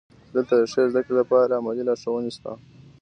دلته د ښې زده کړې لپاره عملي لارښوونې شته.